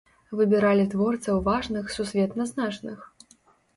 Выбіралі творцаў важных, сусветна значных.